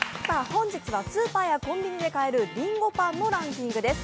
本日はスーパーやコンビニで買えるりんごパンのランキングです。